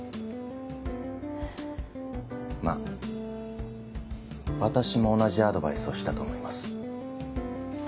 まぁ私も同じアドバイスをしたと思います。